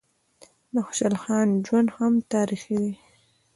د خوشحال خان ژوند هم تاریخي دی.